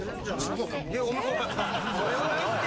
それはないって！